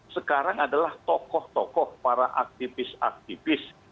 sekarang adalah tokoh tokoh para aktivis aktivis